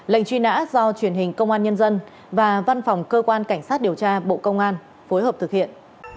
lệnh truy nã do truyền hình công an nhân dân và văn phòng cơ quan cảnh sát điều tra bộ công an phối hợp thực hiện